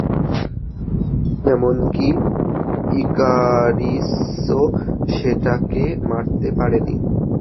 এমনকি ইকারিসও সেটাকে মারতে পারেনি।